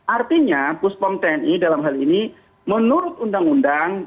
artinya puspom tni dalam hal ini menurut undang undang